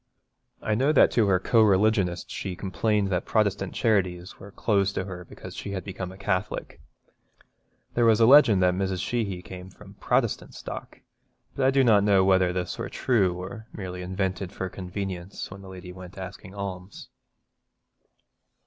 I know that to her co religionists she complained that Protestant charities were closed to her because she had become a Catholic. There was a legend that Mrs. Sheehy came from a Protestant stock, but I do not know whether this were true or merely invented for convenience when the lady went asking alms.